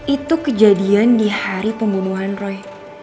itu kejadian di hari pembunuhan roy